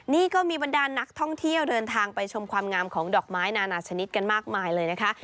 นี่ก็มีบรรดานักท่องเที่ยวเดินทางไปชมความงามของดอกไม้นานาชนิดกันมากมายเลยนะคะ